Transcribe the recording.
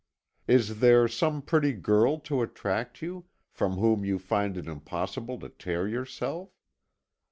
Is there some pretty girl to attract you, from whom you find it impossible to tear yourself?